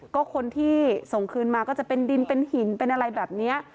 ก็คนที่ส่งคืนมาก็จะเป็นดินเป็นหินเป็นอะไรแบบนี้